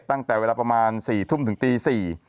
ตั้งแต่เวลาประมาณ๔ทุ่มถึงตี๔